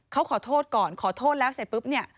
เขาขอโทษก่อนขอโทษแล้วเสร็จปุ๊บเนี่ย